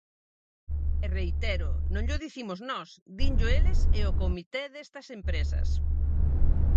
E reitero, non llo dicimos nós, dinllo eles e o comité destas empresas.